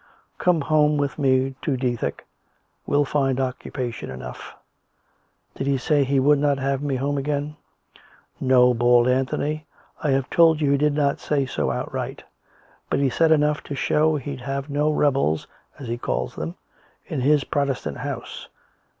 Come home with me to Dethick. We'll find occupation enough." 110 COME RACK! COME ROPE! " Did he say he would not have me home again ?"" No/' bawled Anthony. " I have told you he did not say so outright. But he said enough to show he'd have no rebels, as he called them, in his Protestant house!